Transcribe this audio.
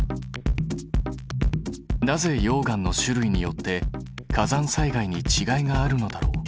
なぜ溶岩の種類によって火山災害にちがいがあるのだろう？